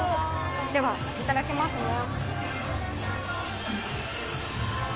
では、いただきますね。